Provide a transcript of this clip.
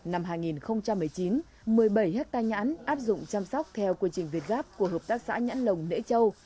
năm hai nghìn một mươi chín một mươi bảy hectare nhãn áp dụng chăm sóc theo quy trình việt gáp của hợp tác xã nhãn lồng nễ châu